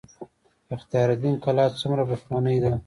اختیار الدین کلا څومره پخوانۍ ده؟